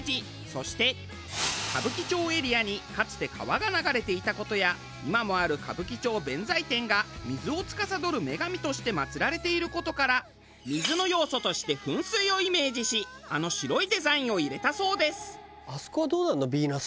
そして歌舞伎町エリアにかつて川が流れていた事や今もある歌舞伎町弁財天が水をつかさどる女神として祭られている事から水の要素として噴水をイメージしあの白いデザインを入れたそうです。